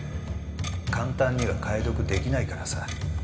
簡単には解読出来ないからさ。